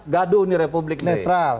gaduh di republik ini